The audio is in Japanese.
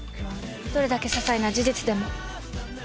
どれだけささいな事実でも。